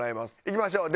いきましょう。